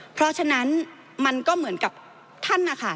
เพราะฉะนั้นมันก็เหมือนกับท่านนะคะ